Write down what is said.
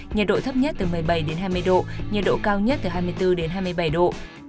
nhiệt độ thấp nhất từ một mươi bảy đến hai mươi độ nhiệt độ cao nhất từ hai mươi bốn đến hai mươi bảy độ